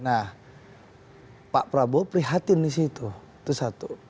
nah pak prabowo prihatin disitu itu satu